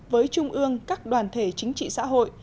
với trung ương các đoàn thể chính trị xã hội